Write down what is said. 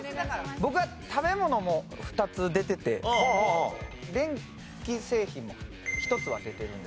僕は食べ物も２つ出てて電気製品も１つは出てるんですけど。